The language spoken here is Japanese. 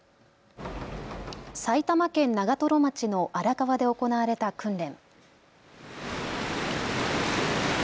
埼玉県長瀞町の荒川で行われた訓練。